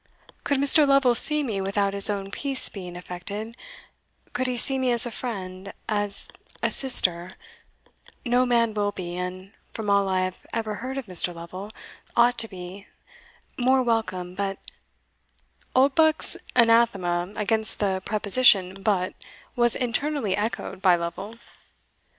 Could Mr. Lovel see me without his own peace being affected could he see me as a friend as a sister no man will be and, from all I have ever heard of Mr. Lovel, ought to be, more welcome but" Oldbuck's anathema against the preposition but was internally echoed by Lovel.